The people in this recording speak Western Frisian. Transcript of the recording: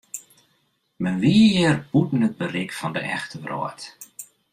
Men wie hjir bûten it berik fan de echte wrâld.